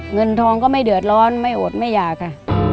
เงินทองก็ไม่เดือดร้อนไม่อดไม่อยากค่ะ